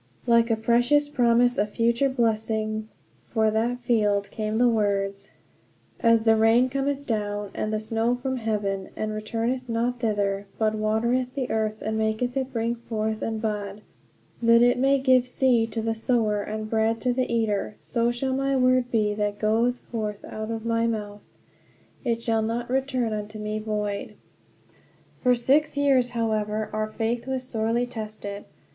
Like a precious promise of future blessing for that field came the words: "As the rain cometh down, and the snow from heaven, and returneth not thither, but watereth the earth, and maketh it bring forth and bud, that it may give seed to the sower, and bread to the eater: so shall my word be that goeth forth out of my mouth: it shall not return unto me void." For six years, however, our faith was sorely tested.